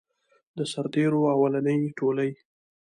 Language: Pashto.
د سرتیرو اولنی ټولۍ.